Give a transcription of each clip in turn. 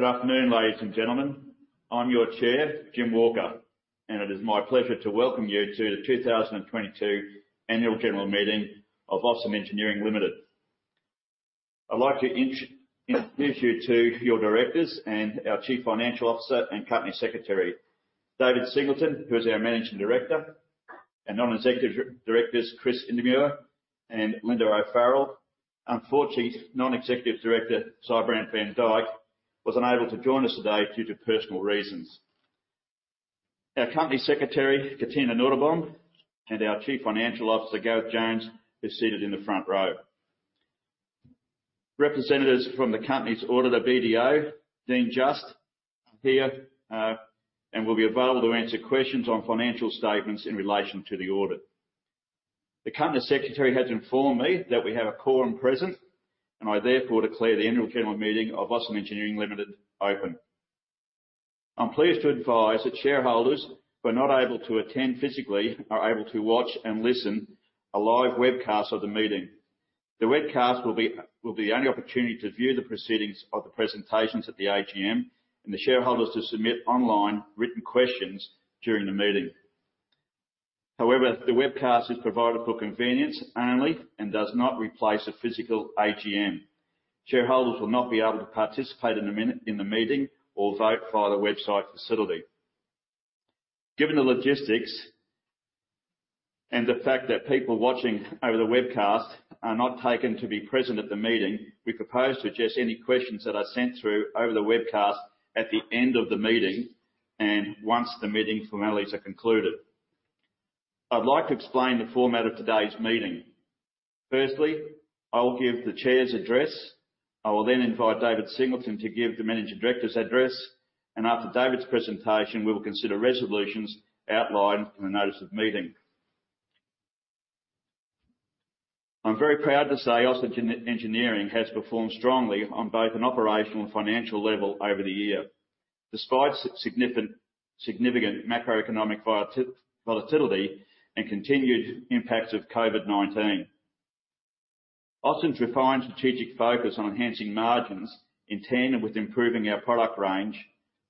Good afternoon, ladies and gentlemen. I'm your Chair, Jim Walker, and it is my pleasure to welcome you to the 2022 Annual General Meeting of Austin Engineering Limited. I'd like to introduce you to your directors and our Chief Financial Officer and Company Secretary. David Singleton, who is our Managing Director, and Non-Executive Directors Chris Indermaur and Linda O'Farrell. Unfortunately, Non-Executive Director Sybrandt van Dyk was unable to join us today due to personal reasons. Our Company Secretary, Katina Nadebaum, and our Chief Financial Officer, Gareth Jones, is seated in the front row. Representatives from the company's auditor, BDO, Dean Just, here, and will be available to answer questions on financial statements in relation to the audit. The Company Secretary has informed me that we have a quorum present, and I therefore declare the annual general meeting of Austin Engineering Limited open. I'm pleased to advise that shareholders who are not able to attend physically are able to watch and listen a live webcast of the meeting. The webcast will be the only opportunity to view the proceedings of the presentations at the AGM and the shareholders to submit online written questions during the meeting. However, the webcast is provided for convenience only and does not replace a physical AGM. Shareholders will not be able to participate in the meeting or vote via the website facility. Given the logistics, and the fact that people watching over the webcast are not taken to be present at the meeting, we propose to address any questions that are sent through over the webcast at the end of the meeting and once the meeting formalities are concluded. I'd like to explain the format of today's meeting. Firstly, I will give the chair's address. I will then invite David Singleton to give the Managing Director's address, and after David's presentation, we will consider resolutions outlined in the notice of meeting. I'm very proud to say Austin Engineering has performed strongly on both an operational and financial level over the year, despite significant macroeconomic volatility and continued impacts of COVID-19. Austin's refined strategic focus on enhancing margins in tandem with improving our product range,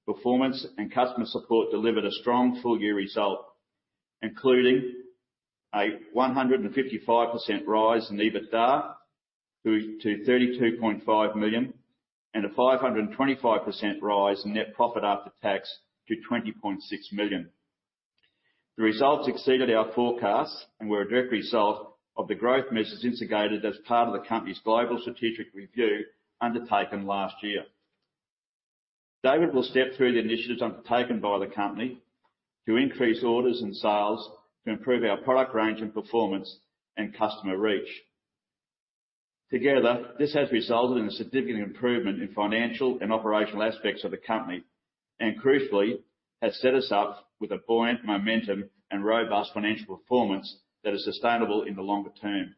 performance and customer support delivered a strong full year result, including a 155% rise in EBITDA to 32.5 million and a 525% rise in net profit after tax to 20.6 million. The results exceeded our forecasts and were a direct result of the growth measures instigated as part of the company's global strategic review undertaken last year. David will step through the initiatives undertaken by the company to increase orders and sales to improve our product range and performance and customer reach. Together, this has resulted in a significant improvement in financial and operational aspects of the company and crucially has set us up with a buoyant momentum and robust financial performance that is sustainable in the longer term.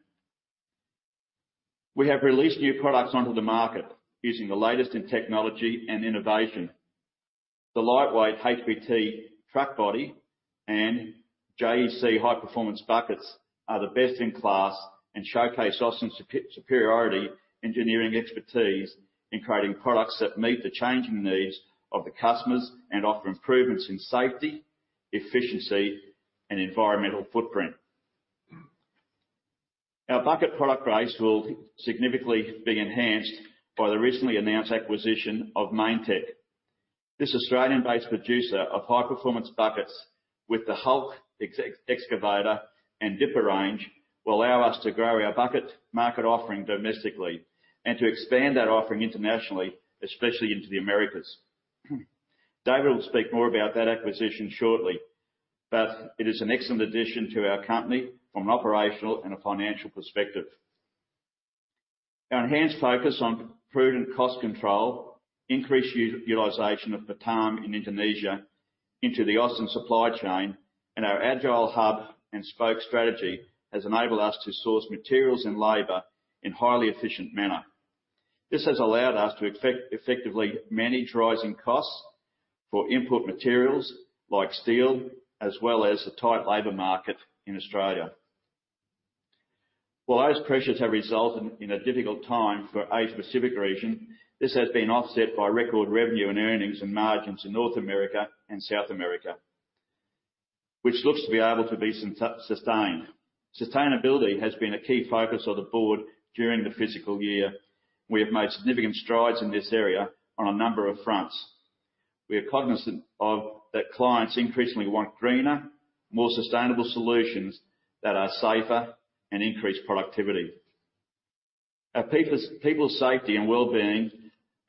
We have released new products onto the market using the latest in technology and innovation. The lightweight HPT truck body and JEC high performance buckets are the best in class and showcase Austin's superiority engineering expertise in creating products that meet the changing needs of the customers and offer improvements in safety, efficiency and environmental footprint. Our bucket product range will significantly be enhanced by the recently announced acquisition of Mainetec. This Australian-based producer of high-performance buckets with the Hulk excavator and dipper range will allow us to grow our bucket market offering domestically and to expand that offering internationally, especially into the Americas. David will speak more about that acquisition shortly, but it is an excellent addition to our company from an operational and a financial perspective. Our enhanced focus on prudent cost control, increased utilization of Batam in Indonesia into the Austin supply chain and our agile hub-and-spoke strategy has enabled us to source materials and labor in highly efficient manner. This has allowed us to effectively manage rising costs for input materials like steel, as well as the tight labor market in Australia. While those pressures have resulted in a difficult time for Asia Pacific region, this has been offset by record revenue and earnings and margins in North America and South America, which looks to be able to be sustained. Sustainability has been a key focus of the board during the fiscal year. We have made significant strides in this area on a number of fronts. We are cognizant that clients increasingly want greener, more sustainable solutions that are safer and increase productivity. Our people's safety and wellbeing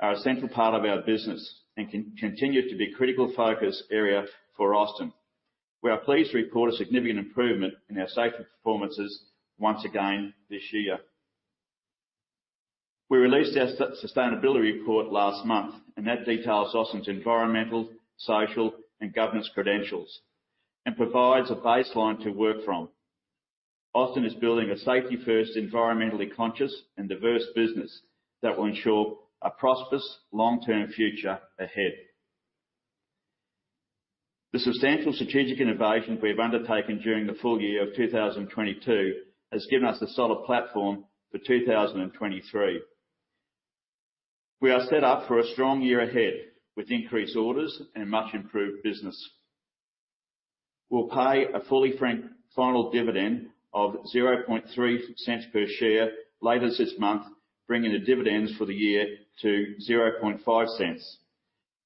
are a central part of our business and continue to be critical focus area for Austin. We are pleased to report a significant improvement in our safety performance once again this year. We released our sustainability report last month, and that details Austin's environmental, social and governance credentials and provides a baseline to work from. Austin is building a safety first, environmentally conscious and diverse business that will ensure a prosperous long-term future ahead. The substantial strategic innovation we have undertaken during the full year of 2022 has given us a solid platform for 2023. We are set up for a strong year ahead with increased orders and much improved business. We'll pay a fully franked final dividend of 0.003 per share later this month, bringing the dividends for the year to 0.005.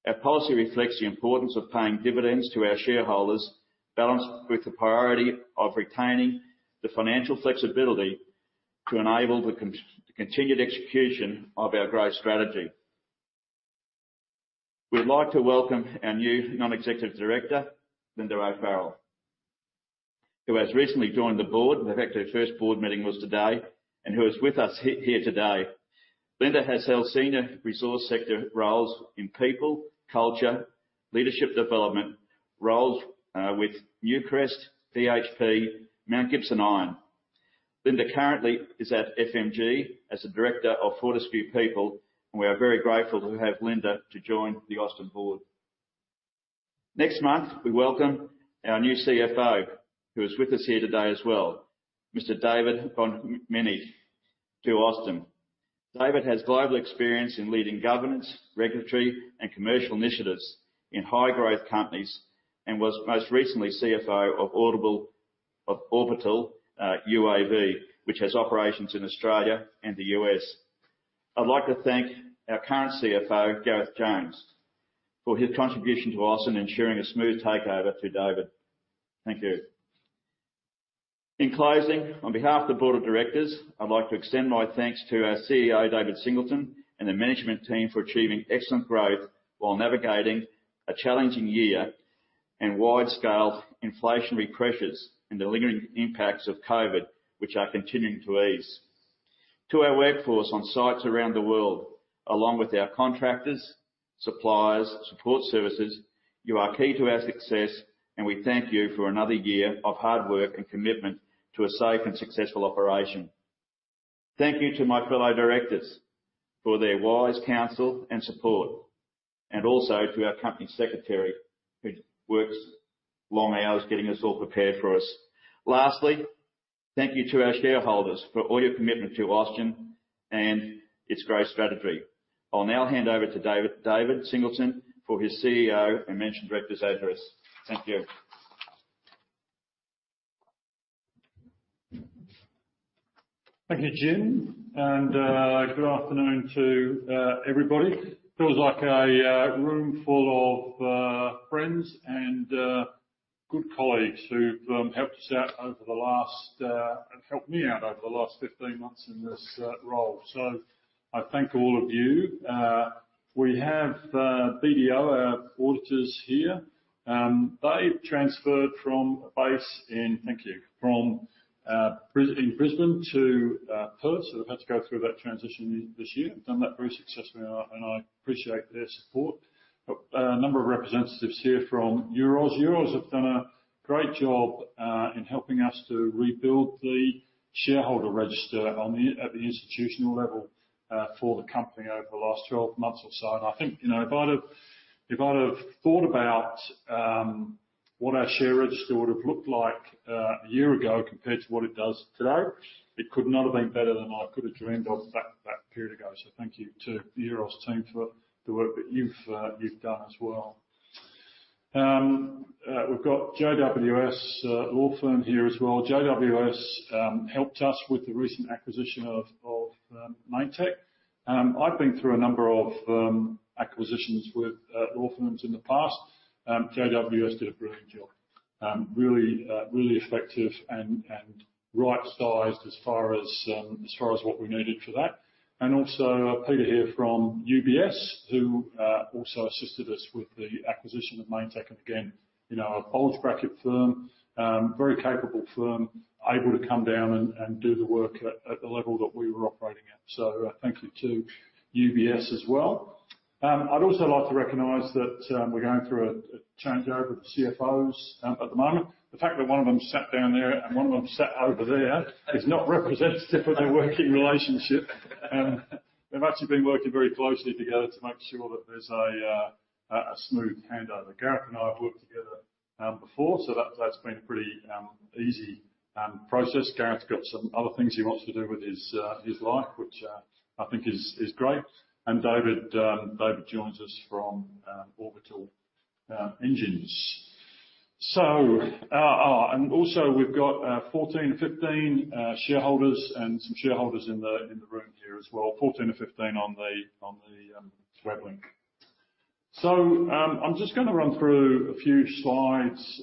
Our policy reflects the importance of paying dividends to our shareholders, balanced with the priority of retaining the financial flexibility to enable the continued execution of our growth strategy. We'd like to welcome our new Non-Executive Director, Linda O'Farrell, who has recently joined the board. In fact, her first board meeting was today, and who is with us here today. Linda has held senior resource sector roles in people, culture, leadership development, roles with Newcrest, BHP, Mount Gibson Iron. Linda currently is at FMG as a director of Fortescue People. We are very grateful to have Linda to join the Austin board. Next month, we welcome our new CFO, who is with us here today as well, Mr. David Bonomini, to Austin. David has global experience in leading governance, regulatory, and commercial initiatives in high growth companies and was most recently CFO of Orbital UAV, which has operations in Australia and the U.S. I'd like to thank our current CFO, Gareth Jones, for his contribution to Austin, ensuring a smooth takeover to David. Thank you. In closing, on behalf of the board of directors, I'd like to extend my thanks to our CEO, David Singleton, and the management team for achieving excellent growth while navigating a challenging year and wide-scale inflationary pressures and the lingering impacts of COVID, which are continuing to ease. To our workforce on sites around the world, along with our contractors, suppliers, support services, you are key to our success, and we thank you for another year of hard work and commitment to a safe and successful operation. Thank you to my fellow directors for their wise counsel and support, and also to our company secretary, who works long hours getting us all prepared for us. Lastly, thank you to our shareholders for all your commitment to Austin and its growth strategy. I'll now hand over to David Singleton for his CEO and Managing Director's address. Thank you. Thank you, Jim, and good afternoon to everybody. Feels like a room full of friends and good colleagues who've helped me out over the last 15 months in this role. I thank all of you. We have BDO, our auditors here. They've transferred from a base in Brisbane to Perth. They've had to go through that transition this year and done that very successfully, and I appreciate their support. A number of representatives here from Euroz. Euroz have done a great job in helping us to rebuild the shareholder register at the institutional level for the company over the last 12 months or so. I think, you know, if I'd have thought about what our share register would have looked like a year ago compared to what it does today, it could not have been better than I could have dreamed of back period ago. Thank you to the Euroz team for the work that you've done as well. We've got JWS law firm here as well. JWS helped us with the recent acquisition of Mainetec. I've been through a number of acquisitions with law firms in the past. JWS did a brilliant job. Really effective and right sized as far as what we needed for that. Also, Peter here from UBS, who also assisted us with the acquisition of Mainetec. Again, you know, a bulge bracket firm, very capable firm, able to come down and do the work at the level that we were operating at. So thank you to UBS as well. I'd also like to recognize that we're going through a changeover of the CFOs at the moment. The fact that one of them sat down there and one of them sat over there is not representative of their working relationship. They've actually been working very closely together to make sure that there's a smooth handover. Gareth and I have worked together before, so that's been a pretty easy process. Gareth's got some other things he wants to do with his life, which I think is great. David joins us from Orbital Engines. And also we've got 14 or 15 shareholders and some shareholders in the room here as well. 14 or 15 on the web link. I'm just going to run through a few slides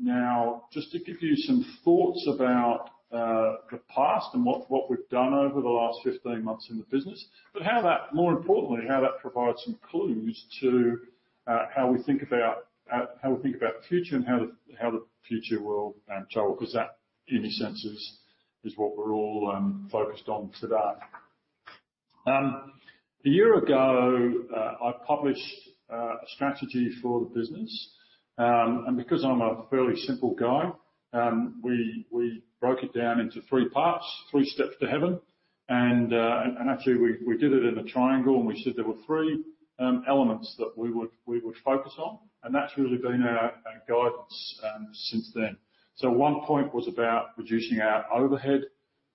now just to give you some thoughts about the past and what we've done over the last 15 months in the business. How that more importantly provides some clues to how we think about the future and how the future will travel, 'cause that, in essence, is what we're all focused on today. A year ago I published a strategy for the business. Because I'm a fairly simple guy, we broke it down into three parts, three steps to heaven. Actually we did it in a triangle, and we said there were three elements that we would focus on, and that's really been our guidance since then. One point was about reducing our overhead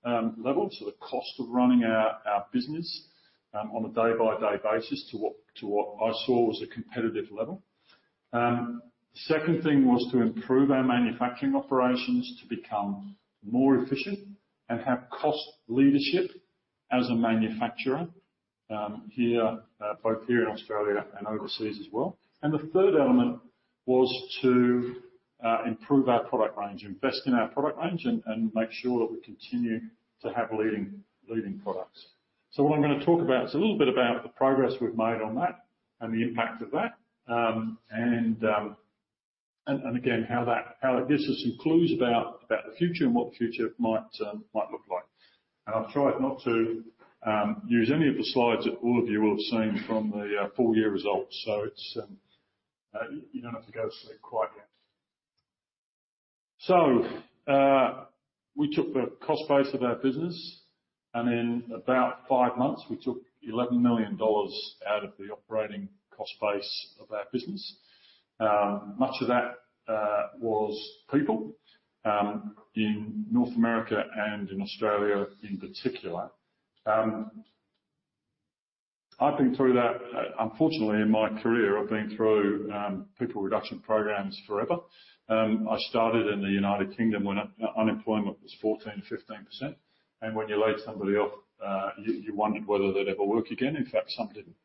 levels, so the cost of running our business on a day-by-day basis to what I saw as a competitive level. Second thing was to improve our manufacturing operations to become more efficient and have cost leadership as a manufacturer here, both here in Australia and overseas as well. The third element was to improve our product range, invest in our product range, and make sure that we continue to have leading products. What I'm going to talk about is a little bit about the progress we've made on that and the impact of that, how it gives us some clues about the future and what the future might look like. I've tried not to use any of the slides that all of you will have seen from the full year results. It's, you don't have to go to sleep quite yet. We took the cost base of our business, and in about five months we took 11 million dollars out of the operating cost base of our business. Much of that was people in North America and in Australia in particular. I've been through that, unfortunately in my career. I've been through people reduction programs forever. I started in the United Kingdom when unemployment was 14%-15%. When you laid somebody off, you wondered whether they'd ever work again. In fact, some didn't.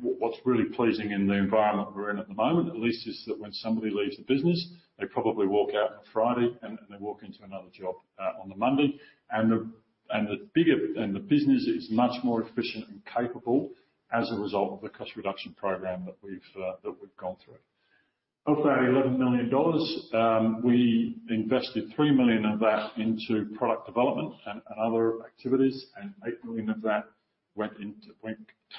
What's really pleasing in the environment we're in at the moment at least is that when somebody leaves the business, they probably walk out on a Friday and then they walk into another job on the Monday. The business is much more efficient and capable as a result of the cost reduction program that we've gone through. Of that AUD 11 million, we invested 3 million of that into product development and other activities, and 8 million of that went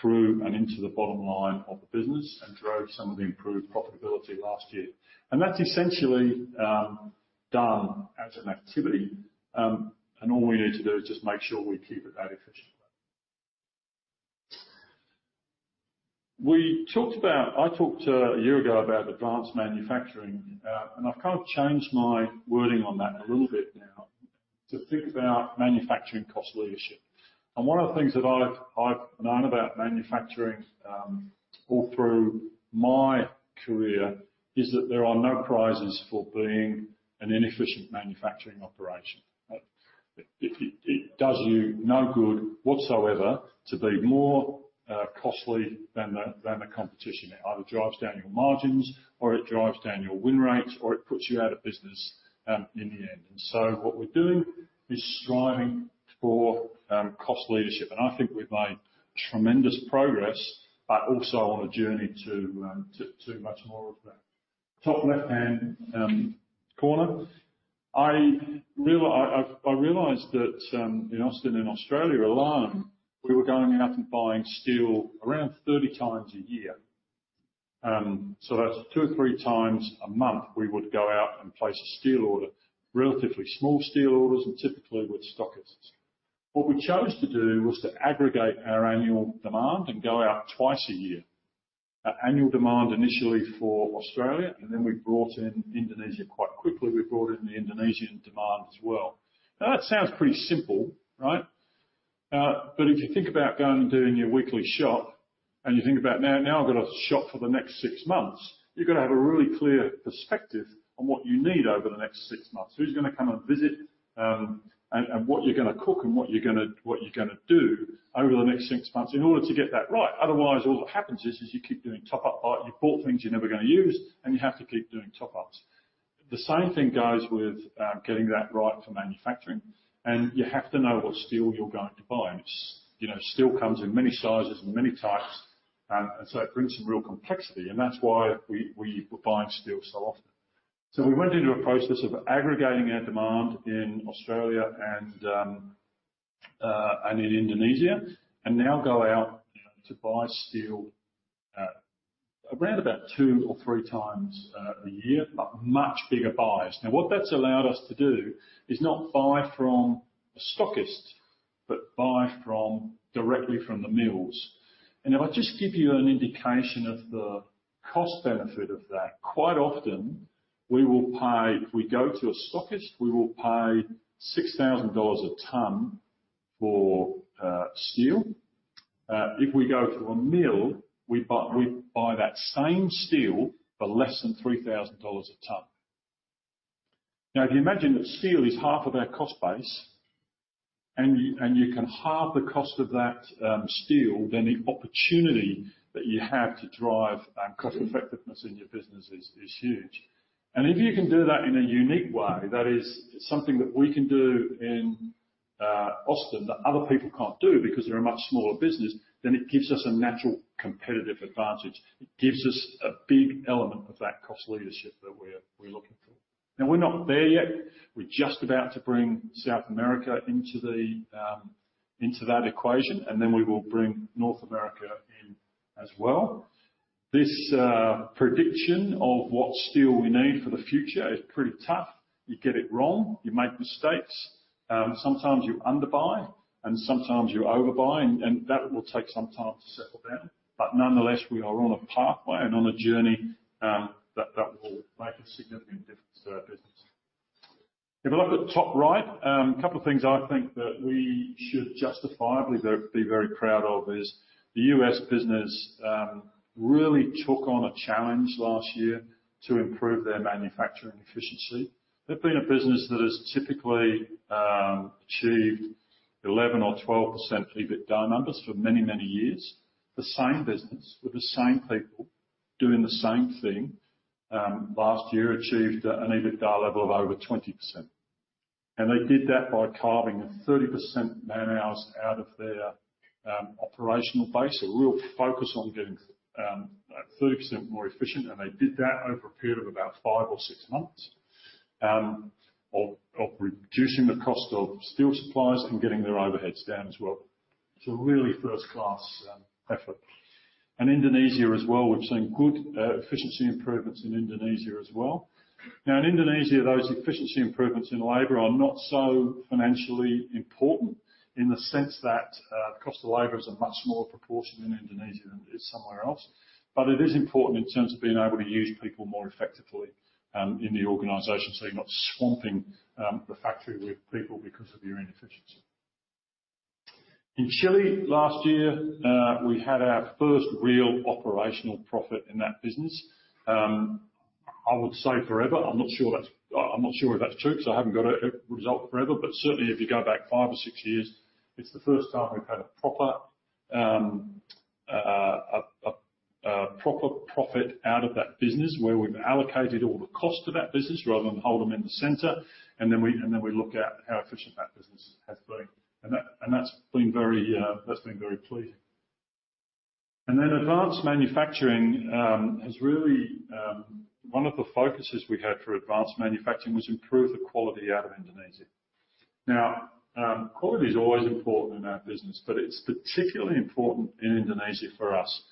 through and into the bottom line of the business and drove some of the improved profitability last year. That's essentially done as an activity. All we need to do is just make sure we keep it that efficient. I talked a year ago about advanced manufacturing, and I've kind of changed my wording on that a little bit now to think about manufacturing cost leadership. One of the things that I've known about manufacturing all through my career is that there are no prizes for being an inefficient manufacturing operation. It does you no good whatsoever to be more costly than the competition. It either drives down your margins or it drives down your win rates, or it puts you out of business in the end. What we're doing is striving for cost leadership. I think we've made tremendous progress, but also on a journey to much more of that. Top left-hand corner. I realized that in Austin and Australia alone, we were going out and buying steel around 30x a year. So that's 2, 3x a month, we would go out and place a steel order. Relatively small steel orders and typically with stockists. What we chose to do was to aggregate our annual demand and go out twice a year. Our annual demand initially for Australia, and then we brought in Indonesia quite quickly. We brought in the Indonesian demand as well. Now that sounds pretty simple, right? If you think about going and doing your weekly shop and you think about, now, I've got to shop for the next six months, you've got to have a really clear perspective on what you need over the next six months. Who's going to come and visit, and what you're going to cook and what you're going to do over the next six months in order to get that right. Otherwise, all that happens is you keep doing top up buy. You bought things you're never going to use, and you have to keep doing top ups. The same thing goes with getting that right for manufacturing, and you have to know what steel you're going to buy. It's, you know, steel comes in many sizes and many types, and so it brings some real complexity and that's why we were buying steel so often. We went into a process of aggregating our demand in Australia and in Indonesia, and now go out to buy steel around about 2 or 3x a year, but much bigger buys. What that's allowed us to do is not buy from a stockist, but buy directly from the mills. If I just give you an indication of the cost benefit of that, quite often we will pay. If we go to a stockist, we will pay 6,000 dollars a ton for steel. If we go to a mill, we buy that same steel for less than 3,000 dollars a ton. Now, if you imagine that steel is half of our cost base and you can halve the cost of that steel, then the opportunity that you have to drive cost effectiveness in your business is huge. If you can do that in a unique way, that is something that we can do in Austin that other people can't do because they're a much smaller business, then it gives us a natural competitive advantage. It gives us a big element of that cost leadership that we're looking for. Now, we're not there yet. We're just about to bring South America into that equation, and then we will bring North America in as well. This prediction of what steel we need for the future is pretty tough. You get it wrong, you make mistakes, sometimes you underbuy and sometimes you overbuy, and that will take some time to settle down. Nonetheless, we are on a pathway and on a journey, that will make a significant difference to our business. If you look at the top right, a couple of things I think that we should justifiably be very proud of is the US business, really took on a challenge last year to improve their manufacturing efficiency. They've been a business that has typically achieved 11% or 12% EBITDA numbers for many, many years. The same business with the same people doing the same thing, last year achieved an EBITDA level of over 20%. They did that by carving 30% man-hours out of their operational base, a real focus on getting 30% more efficient, and they did that over a period of about five or six months, of reducing the cost of steel suppliers and getting their overheads down as well. It's a really first-class effort. In Indonesia as well, we've seen good efficiency improvements in Indonesia as well. Now, in Indonesia, those efficiency improvements in labor are not so financially important in the sense that cost of labor is a much smaller proportion in Indonesia than it is somewhere else. But it is important in terms of being able to use people more effectively in the organization, so you're not swamping the factory with people because of your inefficiency. In Chile last year, we had our first real operational profit in that business. I would say forever. I'm not sure if that's true because I haven't got a result forever. Certainly if you go back five or six years, it's the first time we've had a proper profit out of that business where we've allocated all the cost of that business rather than hold them in the center, and then we look at how efficient that business has been. That's been very pleasing. Advanced manufacturing has really. One of the focuses we had for advanced manufacturing was improve the quality out of Indonesia. Quality is always important in our business, but it's particularly important in Indonesia for us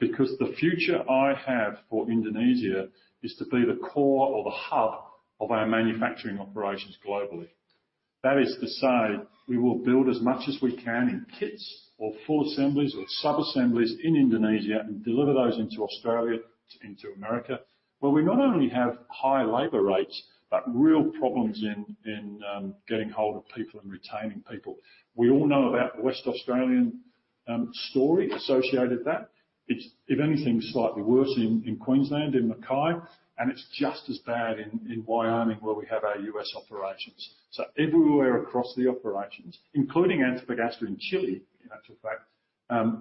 because the future I have for Indonesia is to be the core or the hub of our manufacturing operations globally. That is to say, we will build as much as we can in kits or full assemblies or sub-assemblies in Indonesia and deliver those into Australia, into America, where we not only have high labor rates, but real problems in getting hold of people and retaining people. We all know about the Western Australian story associated with that. It's if anything slightly worse in Queensland, in Mackay, and it's just as bad in Wyoming, where we have our U.S. operations. Everywhere across the operations, including Antofagasta in Chile, in actual fact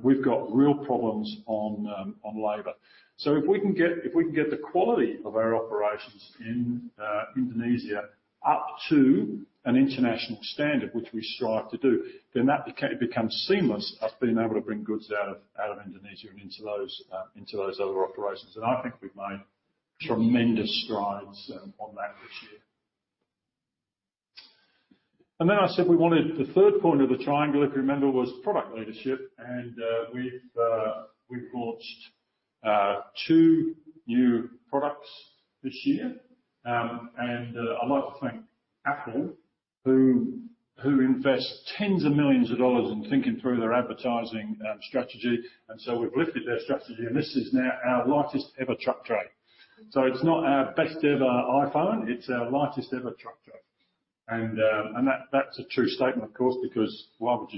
we've got real problems on labor. If we can get the quality of our operations in Indonesia up to an international standard, which we strive to do, then that becomes seamless as being able to bring goods out of Indonesia and into those other operations. I think we've made tremendous strides on that this year. I said we wanted the third point of the triangle, if you remember, was product leadership. We've launched two new products this year. I'd like to thank Apple, who invest tens of millions of dollars in thinking through their advertising strategy. We've lifted their strategy, and this is now our lightest ever truck tray. It's not our best ever iPhone, it's our lightest ever truck tray. That's a true statement, of course, because why would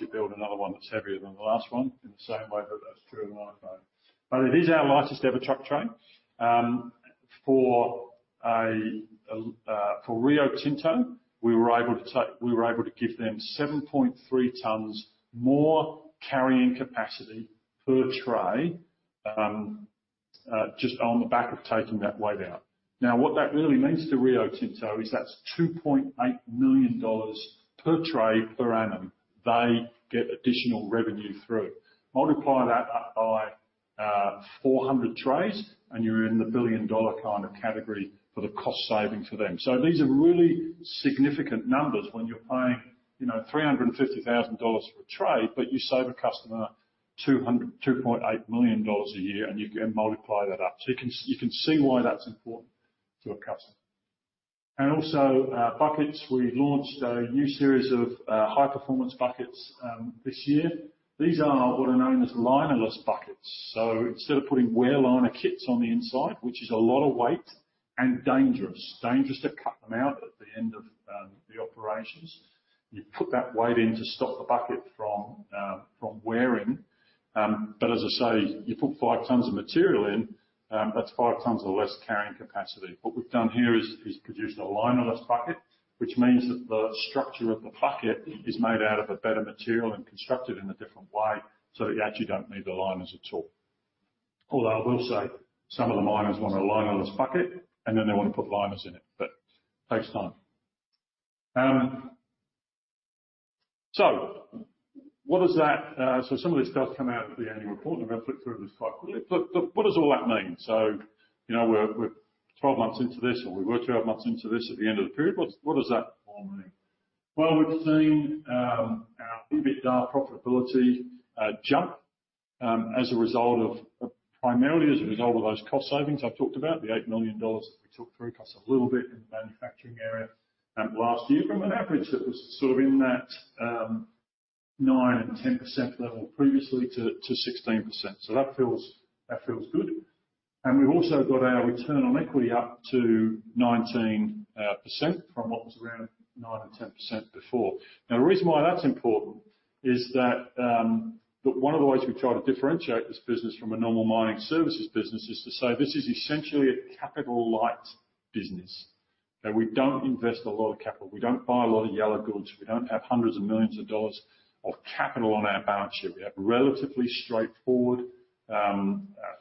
you build another one that's heavier than the last one? In the same way that that's true of an iPhone. It is our lightest ever truck tray. For Rio Tinto, we were able to give them 7.3 tons more carrying capacity per tray, just on the back of taking that weight out. Now, what that really means to Rio Tinto is that's 2.8 million dollars per tray per annum they get additional revenue through. Multiply that by 400 trays and you're in the billion-dollar kind of category for the cost saving to them. These are really significant numbers when you're paying, you know, $350,000 for a tray, but you save a customer $2.8 million a year and you can multiply that up. You can see why that's important to a customer. Also, buckets. We've launched a new series of high-performance buckets this year. These are what are known as linerless buckets. Instead of putting wear liner kits on the inside, which is a lot of weight and dangerous to cut them out at the end of the operations, you put that weight in to stop the bucket from wearing. But as I say, you put 5 tons of material in, that's 5 tons of less carrying capacity. What we've done here is produced a linerless bucket, which means that the structure of the bucket is made out of a better material and constructed in a different way, so you actually don't need the liners at all. Although I will say some of the miners want a linerless bucket, and then they want to put liners in it, but takes time. Some of this stuff come out at the annual report and I'm going to flip through this quite quickly. But what does all that mean? You know, we're 12 months into this, or we were 12 months into this at the end of the period. What does that all mean? Well, we've seen our EBITDA profitability jump as a result of, primarily as a result of those cost savings I've talked about, the 8 million dollars that we took through cost a little bit in the manufacturing area last year from an average that was sort of in that 9%-10% level previously to 16%. That feels good. We've also got our return on equity up to 19% from what was around 9% or 10% before. Now, the reason why that's important is that one of the ways we try to differentiate this business from a normal mining services business is to say this is essentially a capital light business. Now we don't invest a lot of capital. We don't buy a lot of yellow goods. We don't have hundreds of millions of AUD of capital on our balance sheet. We have relatively straightforward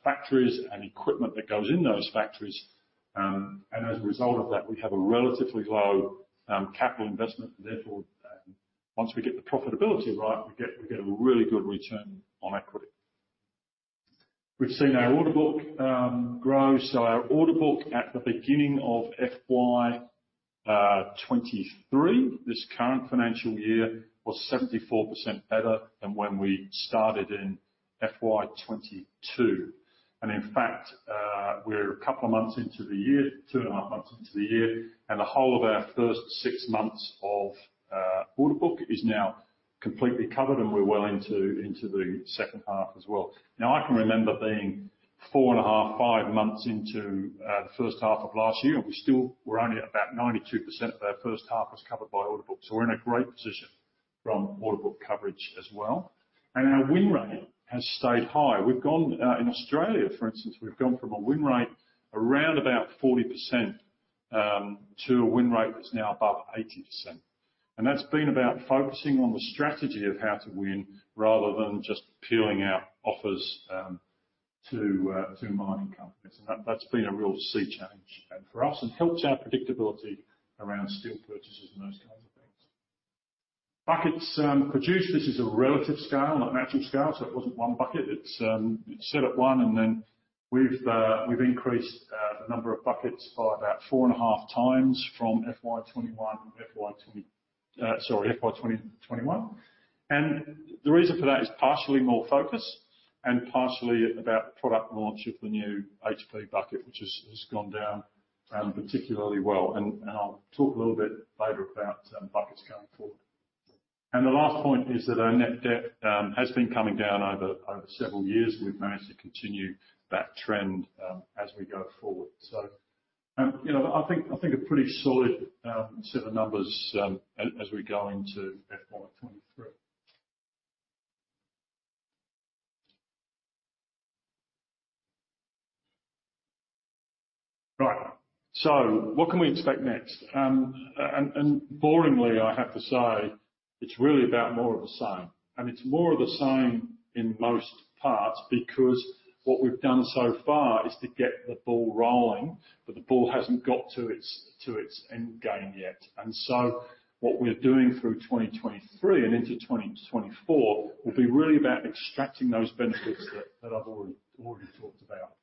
factories and equipment that goes in those factories. As a result of that, we have a relatively low capital investment. Therefore, once we get the profitability right, we get a really good return on equity. We've seen our order book grow. Our order book at the beginning of FY 2023, this current financial year, was 74% better than when we started in FY 2022. In fact, we're a couple of months into the year, two and a half months into the year, and the whole of our first six months of order book is now completely covered and we're well into the second half as well. I can remember being four and a half, five months into the first half of last year, and we still were only at about 92% of our first half was covered by order book. We're in a great position from order book coverage as well. Our win rate has stayed high. We've gone in Australia, for instance, from a win rate around about 40% to a win rate that's now above 80%. That's been about focusing on the strategy of how to win rather than just peeling out offers to mining companies. That's been a real sea change for us and helps our predictability around steel purchases and those kinds of things. Buckets produced. This is a relative scale, not an actual scale, so it wasn't one bucket. It's set at one, and then we've increased the number of buckets by about 4.5x from FY21. The reason for that is partially more focus and partially about product launch of the new HP bucket, which has gone down particularly well. I'll talk a little bit later about buckets going forward. The last point is that our net debt has been coming down over several years. We've managed to continue that trend as we go forward. You know, I think a pretty solid set of numbers as we go into FY 2023. Right. What can we expect next? Boringly, I have to say, it's really about more of the same, and it's more of the same in most parts because what we've done so far is to get the ball rolling, but the ball hasn't got to its end game yet. What we're doing through 2023 and into 2024 will be really about extracting those benefits that I've already talked about.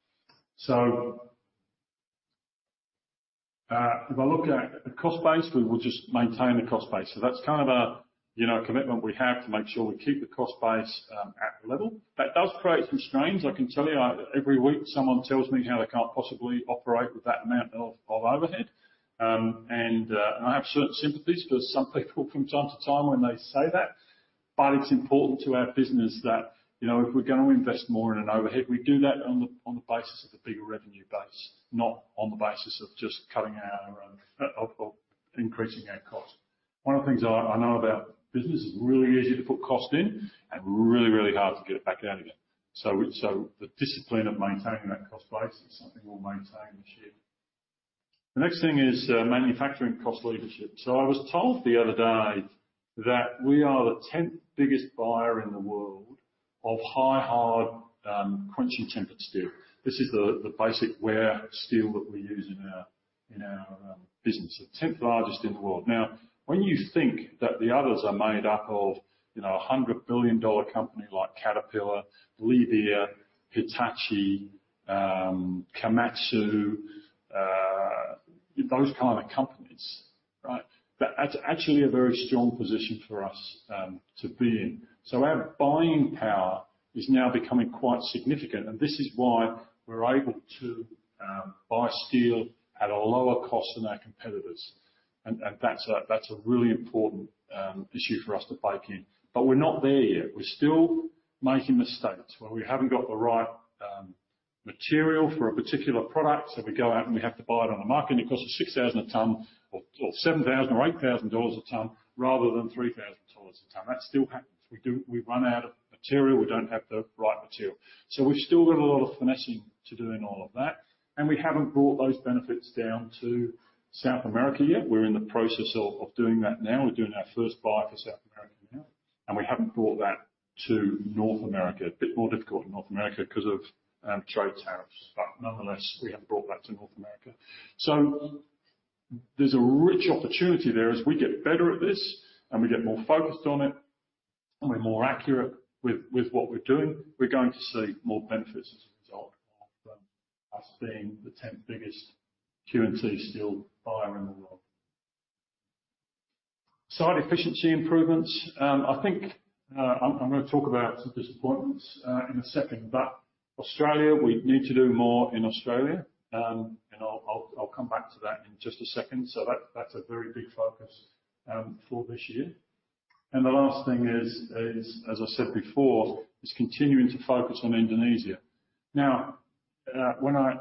If I look at the cost base, we will just maintain the cost base. That's kind of a, you know, commitment we have to make sure we keep the cost base at level. That does create some strains. I can tell you, every week someone tells me how they can't possibly operate with that amount of overhead. I have certain sympathies for some people from time to time when they say that. It's important to our business that, you know, if we're going to invest more in an overhead, we do that on the basis of a bigger revenue base, not on the basis of just increasing our cost. One of the things I know about business, it's really easy to put cost in and really hard to get it back out again. The discipline of maintaining that cost base is something we'll maintain this year. The next thing is manufacturing cost leadership. I was told the other day that we are the tenth biggest buyer in the world of high-hard quench-and-tempered steel. This is the basic wear steel that we use in our business. The tenth largest in the world. Now, when you think that the others are made up of, you know, a $100 billion company like Caterpillar, Liebherr, Hitachi, Komatsu, those kind of companies, right? That's actually a very strong position for us to be in. Our buying power is now becoming quite significant, and this is why we're able to buy steel at a lower cost than our competitors. That's a really important issue for us to bake in. We're not there yet. We're still making mistakes where we haven't got the right material for a particular product. We go out and we have to buy it on the market, and it costs us $6,000 a ton or $7,000 or $8,000 a ton rather than $3,000 a ton. That still happens. We run out of material. We don't have the right material. We've still got a lot of finessing to do in all of that, and we haven't brought those benefits down to South America yet. We're in the process of doing that now. We're doing our first buy for South America now, and we haven't brought that to North America. A bit more difficult in North America 'cause of trade tariffs, but nonetheless, we haven't brought that to North America. There's a rich opportunity there as we get better at this and we get more focused on it, and we're more accurate with what we're doing. We're going to see more benefits as a result of us being the tenth biggest Q&T steel buyer in the world. Site efficiency improvements. I think I'm going to talk about some disappointments in a second, but Australia, we need to do more in Australia. I'll come back to that in just a second. That's a very big focus for this year. The last thing is, as I said before, is continuing to focus on Indonesia. Now, when I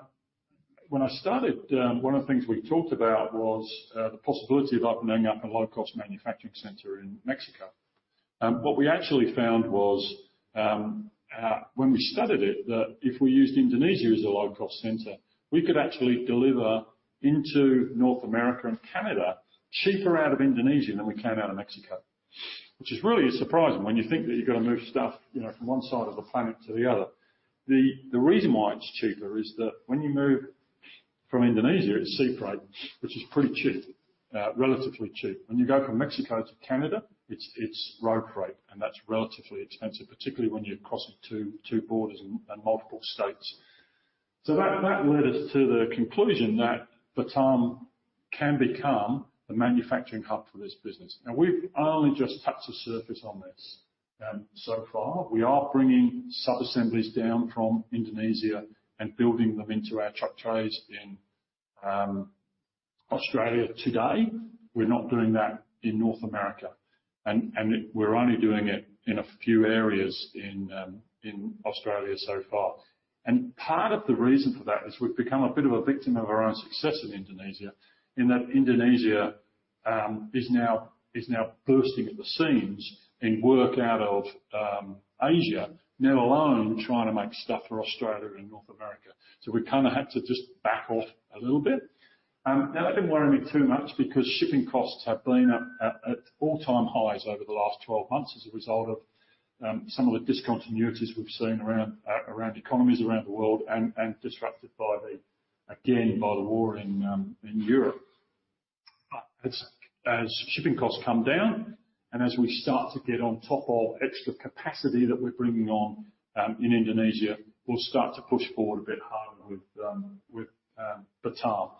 started, one of the things we talked about was the possibility of opening up a low-cost manufacturing center in Mexico. What we actually found was, when we studied it, that if we used Indonesia as a low-cost center, we could actually deliver into North America and Canada cheaper out of Indonesia than we can out of Mexico. Which is really surprising when you think that you're going to move stuff, you know, from one side of the planet to the other. The reason why it's cheaper is that when you move from Indonesia, it's sea freight, which is pretty cheap, relatively cheap. When you go from Mexico to Canada, it's road freight, and that's relatively expensive, particularly when you're crossing two borders and multiple states. That led us to the conclusion that Batam can become the manufacturing hub for this business. Now, we've only just touched the surface on this, so far. We are bringing sub-assemblies down from Indonesia and building them into our truck trays in Australia today. We're not doing that in North America. We're only doing it in a few areas in Australia so far. Part of the reason for that is we've become a bit of a victim of our own success in Indonesia, in that Indonesia is now bursting at the seams in work out of Asia, let alone trying to make stuff for Australia and North America. We kind of had to just back off a little bit. Now that didn't worry me too much because shipping costs have been at all-time highs over the last 12 months as a result of some of the discontinuities we've seen around economies around the world and disrupted by the war in Europe. But as shipping costs come down and as we start to get on top of extra capacity that we're bringing on in Indonesia, we'll start to push forward a bit harder with Batam.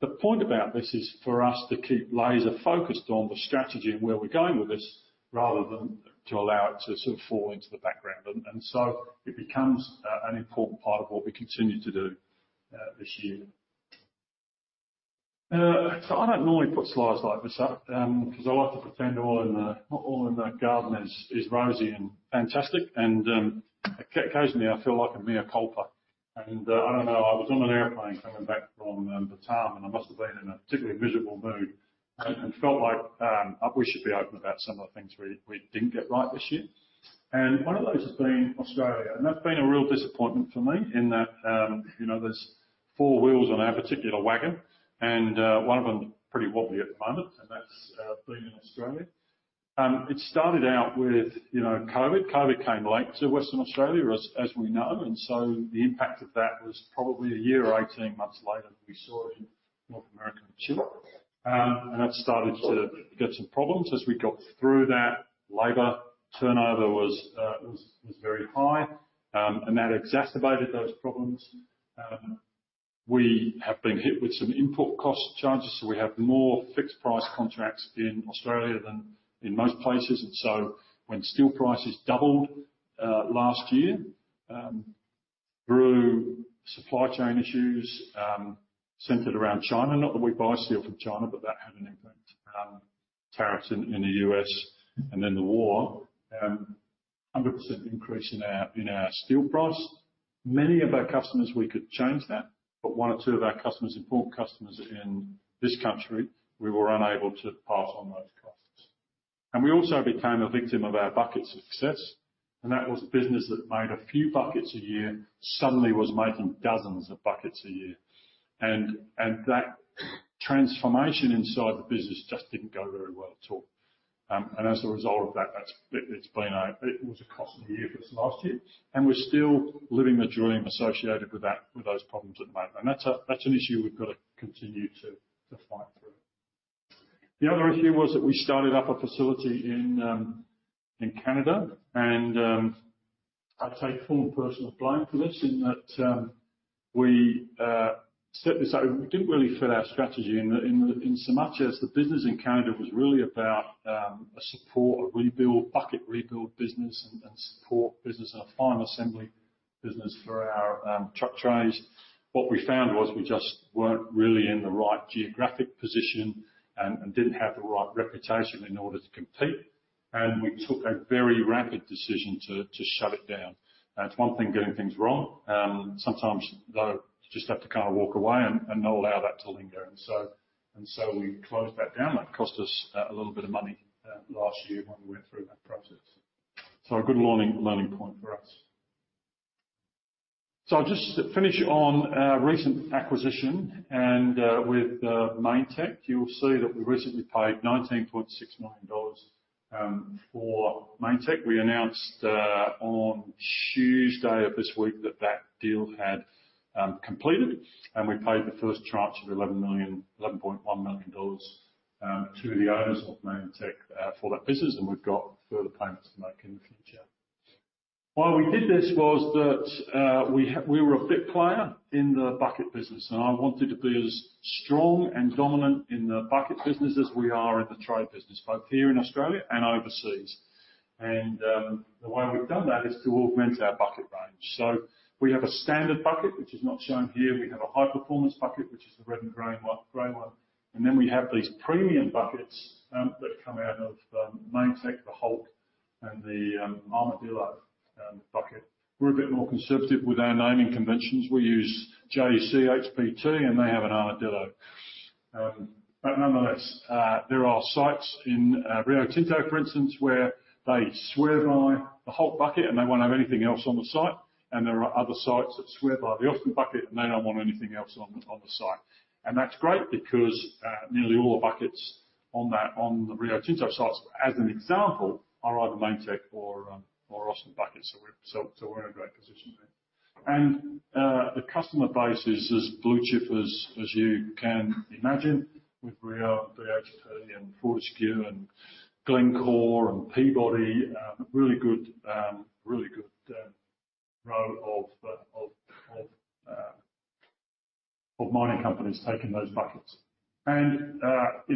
The point about this is for us to keep laser focused on the strategy and where we're going with this rather than to allow it to sort of fall into the background. So it becomes an important part of what we continue to do this year. I don't normally put slides like this up, 'cause I like to pretend not all in the garden is rosy and fantastic. Occasionally, I feel like a mea culpa. I don't know, I was on an airplane coming back from Batam, and I must have been in a particularly miserable mood and felt like we should be open about some of the things we didn't get right this year. One of those has been Australia, and that's been a real disappointment for me in that, you know, there's four wheels on our particular wagon and one of them is pretty wobbly at the moment, and that's been in Australia. It started out with, you know, COVID. COVID came late to Western Australia, as we know, and the impact of that was probably a year or 18 months later than we saw it in North America and China. That started to get some problems. As we got through that, labor turnover was very high, and that exacerbated those problems. We have been hit with some input cost charges, so we have more fixed price contracts in Australia than in most places. When steel prices doubled last year through supply chain issues centered around China, not that we buy steel from China, but that had an impact. Tariffs in the U.S. and then the war, 100% increase in our steel price. Many of our customers, we could change that, but one or two of our customers, important customers in this country, we were unable to pass on those costs. We also became a victim of our bucket success, and that was a business that made a few buckets a year, suddenly was making dozens of buckets a year. That transformation inside the business just didn't go very well at all. As a result of that, it was a costly year for us last year, and we're still living the dream associated with that, with those problems at the moment. That's an issue we've got to continue to fight through. The other issue was that we started up a facility in Canada and I take full personal blame for this in that we set this up. It didn't really fit our strategy in so much as the business in Canada was really about a support, a rebuild, bucket rebuild business and support business and a final assembly business for our truck trays. What we found was we just weren't really in the right geographic position and didn't have the right reputation in order to compete. We took a very rapid decision to shut it down. Now, it's one thing getting things wrong, sometimes you got to kind of walk away and not allow that to linger. We closed that down. That cost us a little bit of money last year when we went through that process. A good learning point for us. I'll just finish on our recent acquisition with Mainetec. You'll see that we recently paid AUD 19.6 million for Mainetec. We announced on Tuesday of this week that deal had completed, and we paid the first tranche of 11.1 million dollars to the owners of Mainetec for that business, and we've got further payments to make in the future. Why we did this was that we were a bit player in the bucket business, and I wanted to be as strong and dominant in the bucket business as we are in the trade business, both here in Australia and overseas. The way we've done that is to augment our bucket range. We have a standard bucket, which is not shown here. We have a high-performance bucket, which is the red and gray one. We have these premium buckets that come out of Mainetec, the Hulk and the Armadillo bucket. We're a bit more conservative with our naming conventions. We use JCHBT, and they have an Armadillo. But nonetheless, there are sites in Rio Tinto, for instance, where they swear by the Hulk bucket and they won't have anything else on the site. There are other sites that swear by the Austin bucket and they don't want anything else on the site. That's great because nearly all the buckets on the Rio Tinto sites, as an example, are either Mainetec or Austin buckets. We're in a great position there. The customer base is as blue-chip as you can imagine with Rio Tinto and Fortescue and Glencore and Peabody. Really good row of mining companies taking those buckets. You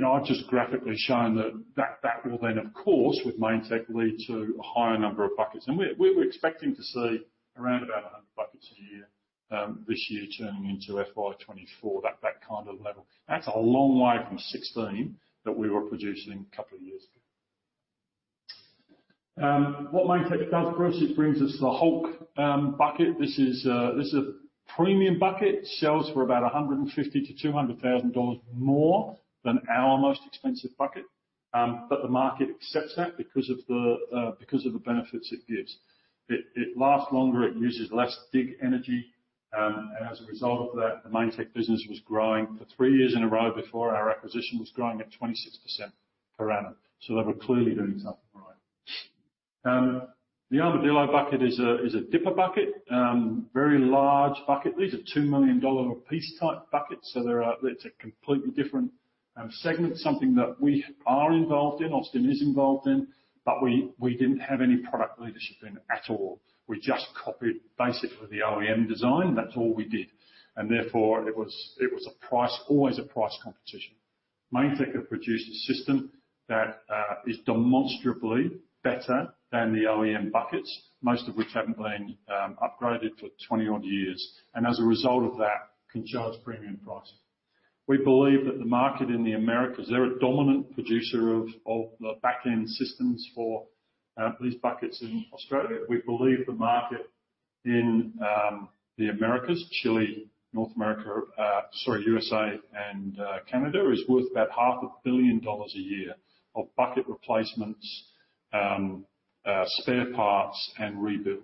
know, I've just graphically shown that that will then, of course, with Mainetec, lead to a higher number of buckets. We're expecting to see around about 100 buckets a year this year turning into FY 2024, that kind of level. That's a long way from 16 that we were producing a couple of years ago. What Mainetec does for us, it brings us the Hulk bucket. This is a premium bucket. Sells for about $150,000-$200,000 more than our most expensive bucket. The market accepts that because of the benefits it gives. It lasts longer, it uses less dig energy. As a result of that, the Mainetec business was growing for three years in a row before our acquisition at 26% per annum. They were clearly doing something right. The Armadillo bucket is a dipper bucket. Very large bucket. These are $2 million a piece type buckets. It's a completely different segment, something that we are involved in, Austin is involved in, but we didn't have any product leadership in at all. We just copied basically the OEM design. That's all we did. Therefore it was always a price competition. Mainetec have produced a system that is demonstrably better than the OEM buckets, most of which haven't been upgraded for 20-odd years. As a result of that, can charge premium price. We believe that the market in the Americas, they're a dominant producer of the back-end systems for these buckets in Australia. We believe the market in the Americas, Chile, North America, sorry, USA and Canada, is worth about $ 500 million a year of bucket replacements, spare parts and rebuilds.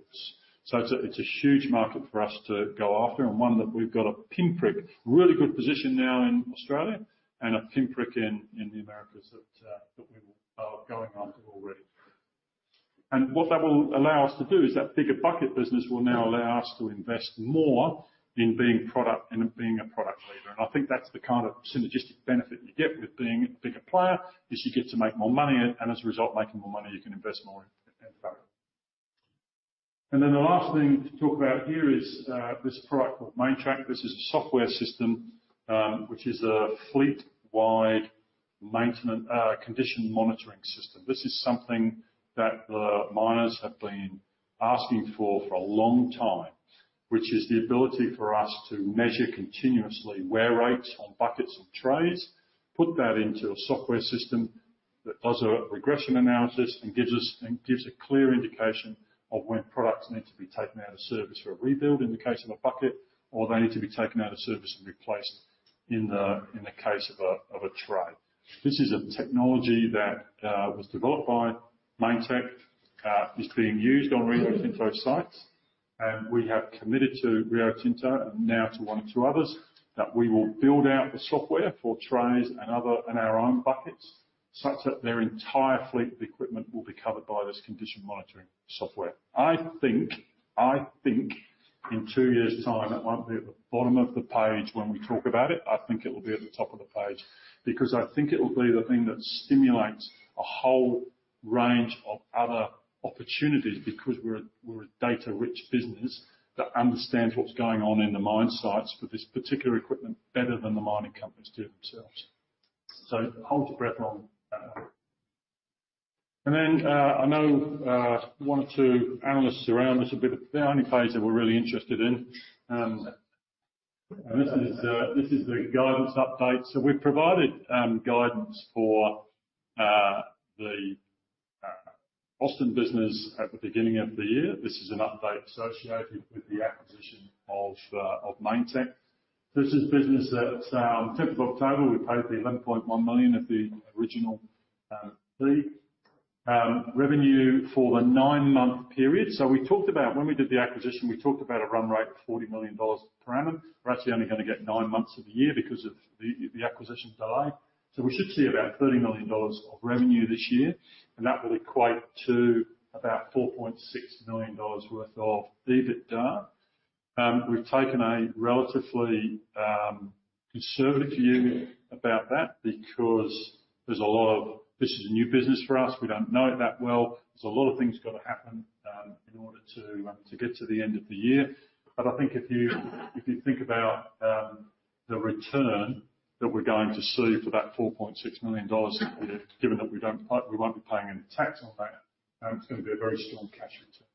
It's a huge market for us to go after and one that we've got a pinprick really good position now in Australia and a pinprick in the Americas that we are going after already. What that will allow us to do is that bigger bucket business will now allow us to invest more in being product and being a product leader. I think that's the kind of synergistic benefit you get with being a bigger player, is you get to make more money and as a result making more money, you can invest more in. This is the guidance update. We've provided guidance for the Austin business at the beginning of the year. This is an update associated with the acquisition of Mainetec. On the 5th of October, we paid the 11.1 million of the original fee. Revenue for the nine-month period. When we did the acquisition, we talked about a run rate of 40 million dollars per annum. We're actually only going to get nine months of the year because of the acquisition delay. We should see about 30 million dollars of revenue this year, and that will equate to about 4.6 million dollars worth of EBITDA. We've taken a relatively conservative view about that because there's a lot of this is a new business for us. We don't know it that well. There's a lot of things got to happen in order to get to the end of the year. I think if you think about the return that we're going to see for that 4.6 million dollars, given that we won't be paying any tax on that, it's going to be a very strong cash return.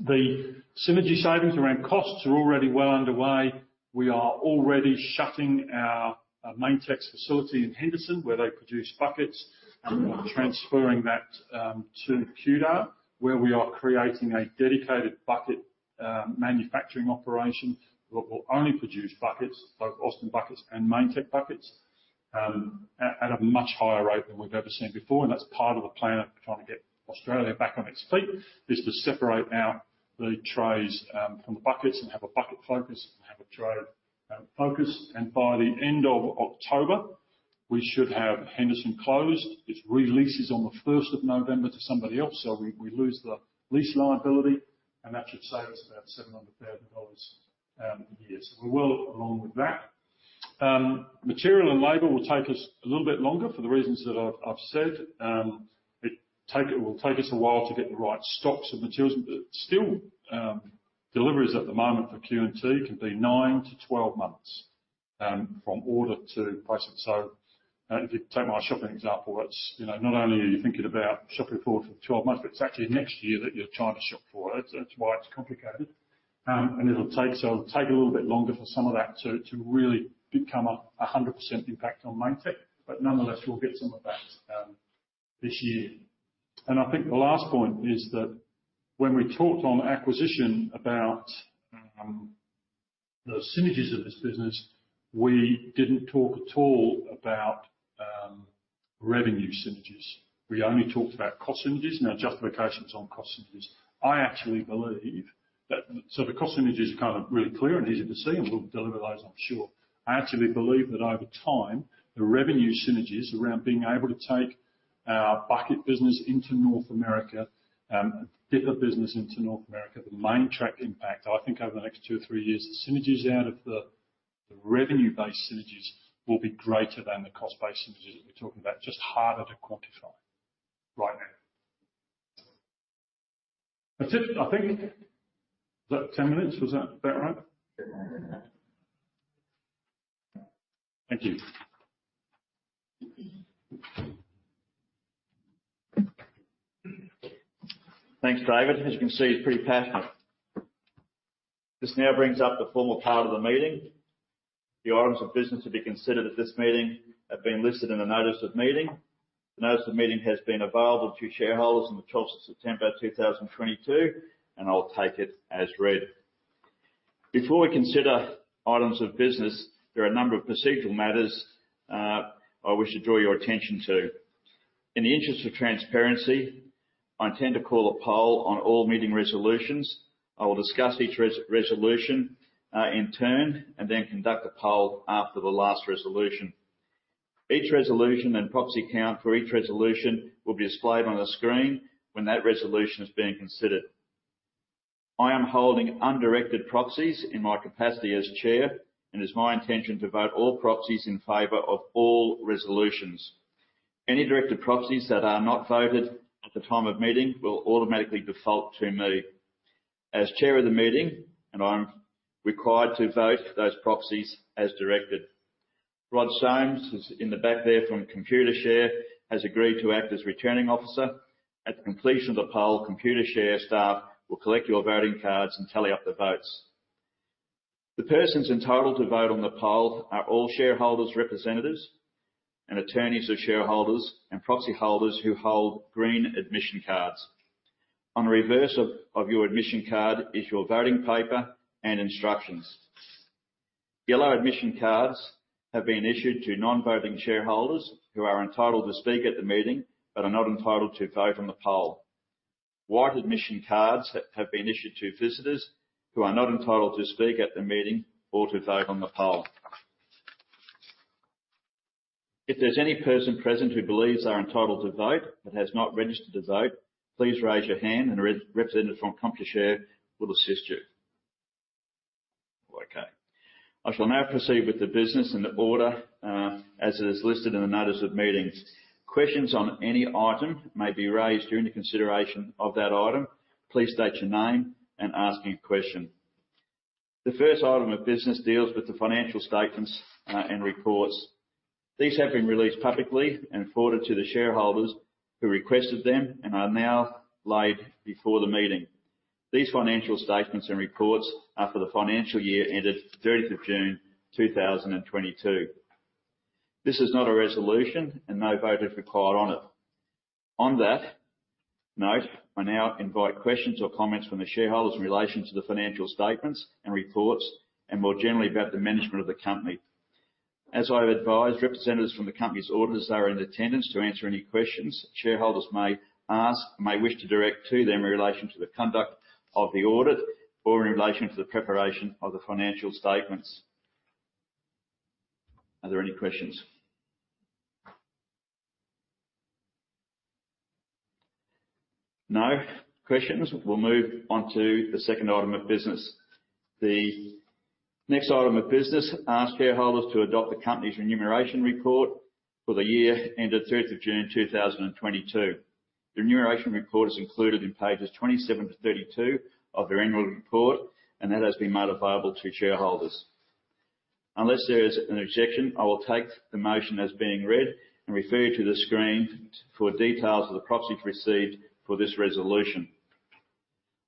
The synergy savings around costs are already well underway. We are already shutting our Mainetec facility in Henderson, where they produce buckets, and we're transferring that to Kewdale, where we are creating a dedicated bucket manufacturing operation that will only produce buckets, both Austin Buckets and Mainetec buckets, at a much higher rate than we've ever seen before. That's part of the plan of trying to get Australia back on its feet, to separate out the trays from the buckets and have a bucket focus and have a tray focus. By the end of October, we should have Henderson closed. Its re-lease is on the first of November to somebody else, so we lose the lease liability, and that should save us about 700,000 dollars a year. We're well along with that. Material and labor will take us a little bit longer for the reasons that I've said. It will take us a while to get the right stocks and materials, but still, deliveries at the moment for Q&T can be 9-12 months from order to placement. If you take my shopping example, that's, you know, not only are you thinking about shopping forward for 12 months, but it's actually next year that you're trying to shop for. That's why it's complicated. It'll take a little bit longer for some of that to really become a 100% impact on Mainetec. But nonetheless, we'll get some of that this year. I think the last point is that when we talked on acquisition about the synergies of this business, we didn't talk at all about revenue synergies. We only talked about cost synergies and our justifications on cost synergies. I actually believe that the cost synergies are kind of really clear and easy to see, and we'll deliver those, I'm sure. I actually believe that over time, the revenue synergies around being able to take our bucket business into North America, dumper business into North America, the Mainetec impact, I think over the next two or three years, the synergies out of the revenue-based synergies will be greater than the cost-based synergies that we're talking about. Just harder to quantify right now. That's it, I think. Was that 10 minutes? Was that about right? Yeah. Thank you. Thanks, David. As you can see, he's pretty passionate. This now brings up the formal part of the meeting. The items of business to be considered at this meeting have been listed in the notice of meeting. The notice of meeting has been available to shareholders on the 12th of September, 2022, and I'll take it as read. Before we consider items of business, there are a number of procedural matters I wish to draw your attention to. In the interest of transparency, I intend to call a poll on all meeting resolutions. I will discuss each resolution in turn and then conduct a poll after the last resolution. Each resolution and proxy count for each resolution will be displayed on the screen when that resolution is being considered. I am holding undirected proxies in my capacity as chair, and it's my intention to vote all proxies in favor of all resolutions. Any directed proxies that are not voted at the time of meeting will automatically default to me. As chair of the meeting, and I'm required to vote those proxies as directed. Rod Soames, who's in the back there from Computershare, has agreed to act as returning officer. At the completion of the poll, Computershare staff will collect your voting cards and tally up the votes. The persons entitled to vote on the poll are all shareholders, representatives, and attorneys of shareholders and proxy holders who hold green admission cards. On the reverse of your admission card is your voting paper and instructions. Yellow admission cards have been issued to non-voting shareholders who are entitled to speak at the meeting, but are not entitled to vote on the poll. White admission cards have been issued to visitors who are not entitled to speak at the meeting or to vote on the poll. If there's any person present who believes they're entitled to vote, but has not registered to vote, please raise your hand and a representative from Computershare will assist you. Okay. I shall now proceed with the business in the order as it is listed in the notice of meetings. Questions on any item may be raised during the consideration of that item. Please state your name and ask your question. The first item of business deals with the financial statements and reports. These have been released publicly and forwarded to the shareholders who requested them and are now laid before the meeting. These financial statements and reports are for the financial year ended 30th of June 2022. This is not a resolution and no vote is required on it. On that note, I now invite questions or comments from the shareholders in relation to the financial statements and reports and more generally about the management of the company. As I've advised, representatives from the company's auditors are in attendance to answer any questions shareholders may ask, may wish to direct to them in relation to the conduct of the audit or in relation to the preparation of the financial statements. Are there any questions? No questions. We'll move on to the second item of business. The next item of business asks shareholders to adopt the company's remuneration report for the year ended 30th June 2022. The remuneration report is included in pages 27-32 of their annual report, and that has been made available to shareholders. Unless there is an objection, I will take the motion as being read and refer you to the screen for details of the proxies received for this resolution.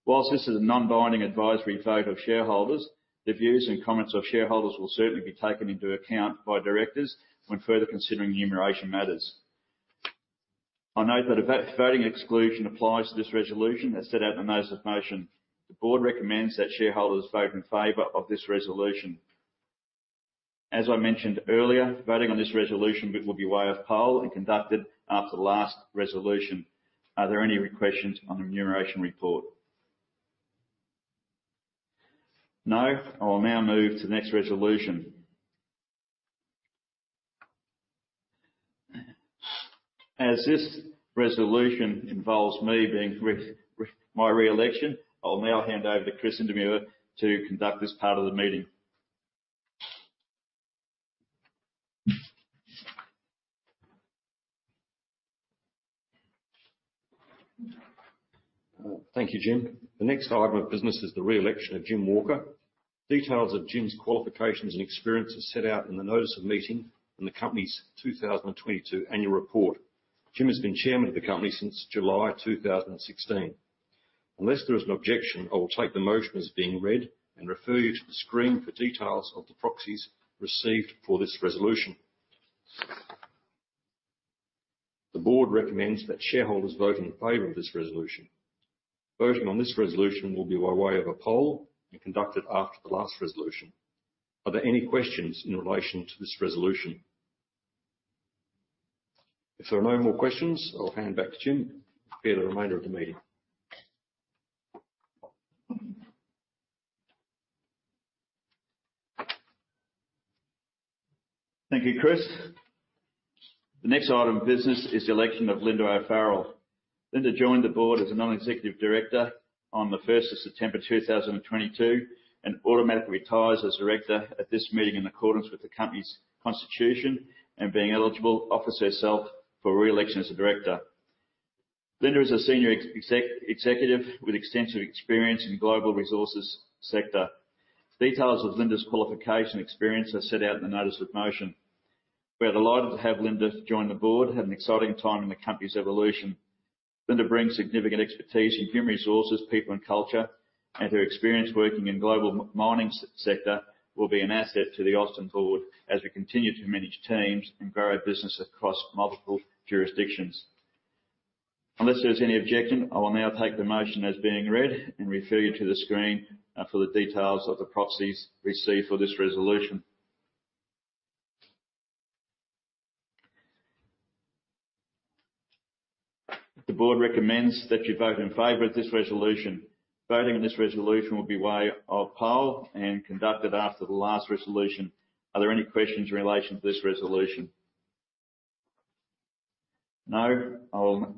While this is a non-binding advisory vote of shareholders, the views and comments of shareholders will certainly be taken into account by directors when further considering remuneration matters. I note that a voting exclusion applies to this resolution as set out in the notice of motion. The board recommends that shareholders vote in favor of this resolution. As I mentioned earlier, voting on this resolution will be by way of poll and conducted after the last resolution. Are there any questions on the remuneration report? No. I will now move to the next resolution. As this resolution involves my re-election, I will now hand over to Chris Indermaur to conduct this part of the meeting. Thank you, Jim. The next item of business is the re-election of Jim Walker. Details of Jim's qualifications and experience are set out in the notice of meeting in the company's 2022 annual report. Jim has been Chairman of the company since July 2016. Unless there is an objection, I will take the motion as being read and refer you to the screen for details of the proxies received for this resolution. The board recommends that shareholders vote in favor of this resolution. Voting on this resolution will be by way of a poll and conducted after the last resolution. Are there any questions in relation to this resolution? If there are no more questions, I'll hand back to Jim to hear the remainder of the meeting. Thank you, Chris. The next item of business is the election of Linda O'Farrell. Linda joined the board as a Non-executive Director on the 1st of September 2022, and automatically retires as Director at this meeting in accordance with the company's constitution, and being eligible, offers herself for re-election as a director. Linda is a Senior Executive with extensive experience in the global resources sector. Details of Linda's qualification and experience are set out in the notice of motion. We are delighted to have Linda join the board at an exciting time in the company's evolution. Linda brings significant expertise in human resources, people, and culture, and her experience working in global mining sector will be an asset to the Austin board as we continue to manage teams and grow our business across multiple jurisdictions. Unless there's any objection, I will now take the motion as being read and refer you to the screen for the details of the proxies received for this resolution. The board recommends that you vote in favor of this resolution. Voting in this resolution will be by way of poll and conducted after the last resolution. Are there any questions in relation to this resolution? No. I will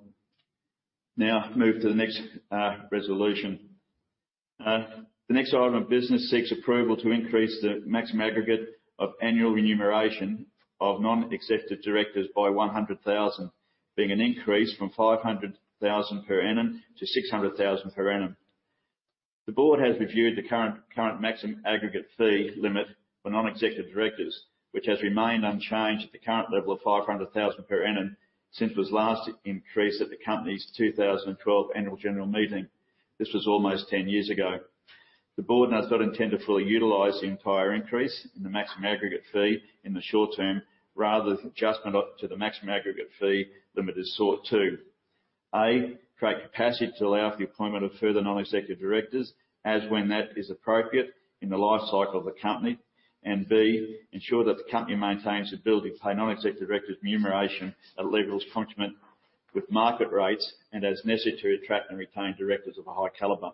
now move to the next resolution. The next item of business seeks approval to increase the maximum aggregate of annual remuneration of non-executive directors by 100,000, being an increase from 500,000 per annum to 600,000 per annum. The board has reviewed the current maximum aggregate fee limit for non-executive directors, which has remained unchanged at the current level of 500,000 per annum since it was last increased at the company's 2012 annual general meeting. This was almost ten years ago. The board has not intended to fully utilize the entire increase in the maximum aggregate fee in the short term. Rather the adjustment to the maximum aggregate fee limit is sought to A, create capacity to allow for the appointment of further non-executive directors as when that is appropriate in the life cycle of the company. B, ensure that the company maintains the ability to pay non-executive directors remuneration at levels consistent with market rates and as necessary to attract and retain directors of a high caliber.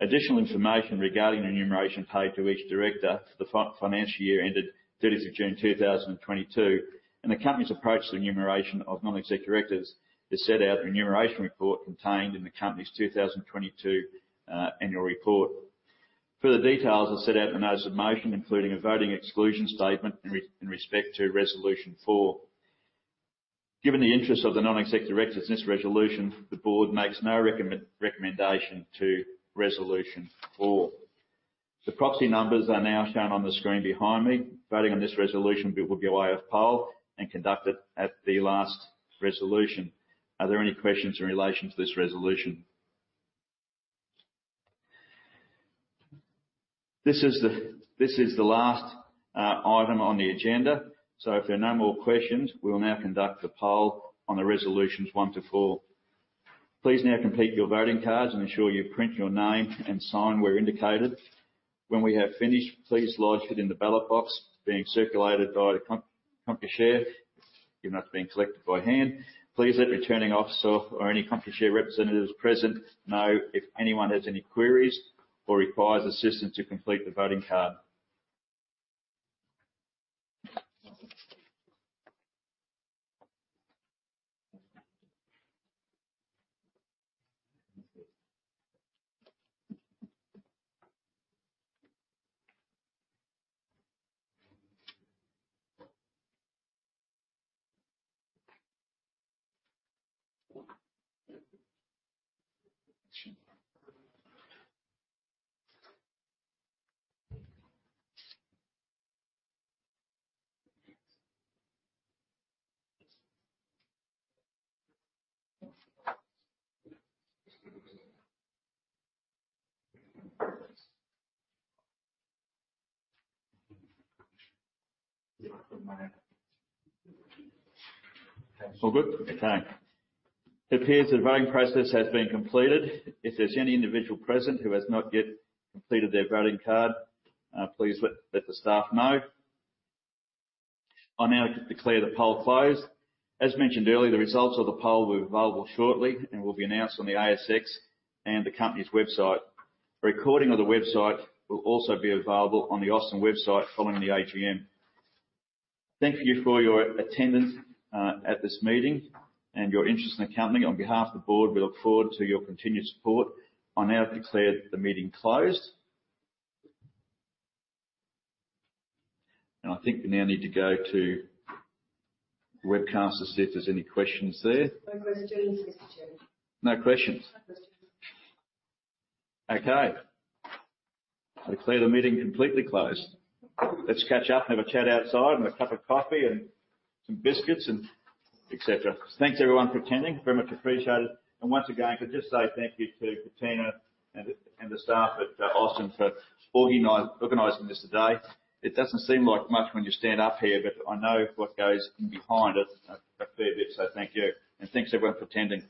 Additional information regarding the remuneration paid to each director for the financial year ended 30th June 2022, and the company's approach to the remuneration of non-executive directors is set out in the remuneration report contained in the company's 2022 annual report. Further details are set out in the notice of motion, including a voting exclusion statement in respect to resolution four. Given the interest of the non-executive directors in this resolution, the board makes no recommendation to resolution four. The proxy numbers are now shown on the screen behind me. Voting on this resolution will be by way of poll and conducted at the last resolution. Are there any questions in relation to this resolution? This is the last item on the agenda. If there are no more questions, we will now conduct the poll on the resolutions one to four. Please now complete your voting cards and ensure you print your name and sign where indicated. When we have finished, please lodge it in the ballot box being circulated by the Computershare. If it's not being collected by hand, please let the returning officer or any Computershare representatives present know if anyone has any queries or requires assistance to complete the voting card. All good? Okay. It appears the voting process has been completed. If there's any individual present who has not yet completed their voting card, please let the staff know. I now declare the poll closed. As mentioned earlier, the results of the poll will be available shortly and will be announced on the ASX and the company's website. Recording of the webcast will also be available on the Austin website following the AGM. Thank you for your attendance at this meeting and your interest in the company. On behalf of the board, we look forward to your continued support. I now declare the meeting closed. I think we now need to go to webcast to see if there's any questions there. No questions, Mr. Chair. No questions? No questions. Okay. I declare the meeting completely closed. Let's catch up and have a chat outside and a cup of coffee and some biscuits and etc. Thanks everyone for attending. Very much appreciated. Once again, could just say thank you to Katina and the staff at Austin for organizing this today. It doesn't seem like much when you stand up here, but I know what goes behind it, a fair bit, so thank you. Thanks everyone for attending.